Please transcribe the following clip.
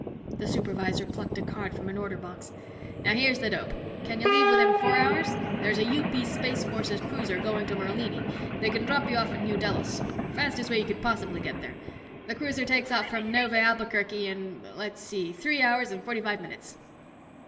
The supervisor plucked a card from an order box. "Now here's the dope. Can you leave within four hours? There's a UP Space Forces cruiser going to Merlini, they can drop you off at New Delos. Fastest way you could possibly get there. The cruiser takes off from Neuve Albuquerque in, let's see, three hours and forty five minutes."